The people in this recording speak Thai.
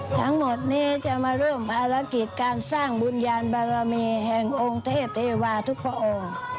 ทั้งหมดนี้จะมาร่วมภารกิจการสร้างบุญญาณบารมีแห่งองค์เทพเทวาทุกพระองค์